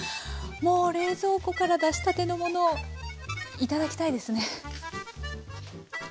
もう冷蔵庫から出したてのものを頂きたいですね。